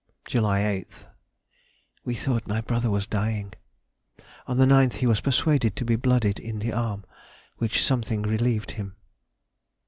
July 8th.—We thought my brother was dying. On the 9th he was persuaded to be blooded in the arm, which something relieved him.